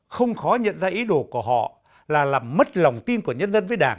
không khó nhận ra ý đồ của họ là làm mất lòng tin của nhân dân với đảng